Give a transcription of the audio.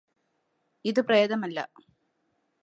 ഇത് പ്രേതമല്ല